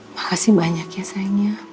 makasih banyak ya sayangnya